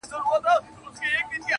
د ورور و غاړي ته چاړه دي کړمه,